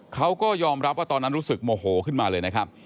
เขาก็ยอมรับว่าตอนนั้นรู้สึกโมโหขึ้นมาเลยนะครับ